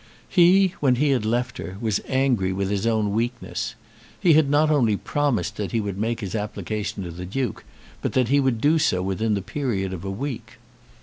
He, when he had left her, was angry with his own weakness. He had not only promised that he would make his application to the Duke, but that he would do so within the period of a week.